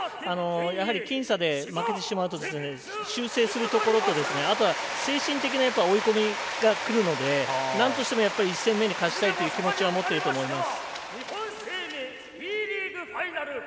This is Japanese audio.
やはり僅差で負けてしまうと修正するところと精神的な追い込みがくるのでなんとしても１戦目に勝ちたいという気持ちは持っていると思います。